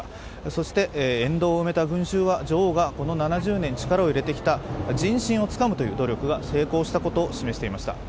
そして、沿道を埋めた群衆は女王がこの７０年力を入れてきた人心をつかむという努力が成功したことを示していました。